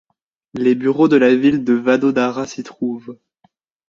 Les bureaux de la ville de Vadodara s'y trouvent.